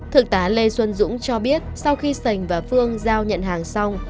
thượng tá lê xuân dũng cho biết sau khi sành và phương giao nhận hàng xong